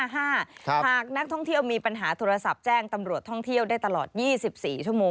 หากนักท่องเที่ยวมีปัญหาโทรศัพท์แจ้งตำรวจท่องเที่ยวได้ตลอด๒๔ชั่วโมง